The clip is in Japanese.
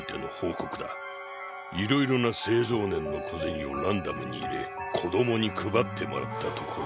いろいろな製造年のこぜにをランダムに入れ子供に配ってもらったところ。